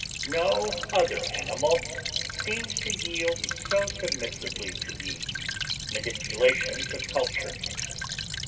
No other animal seems to yield so submissively to the manipulations of culture.